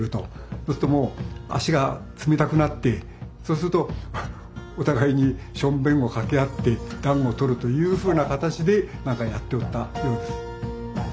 そうするともう足が冷たくなってそうするとお互いにションベンをかけ合って暖を取るというふうな形でなんかやっておったようです。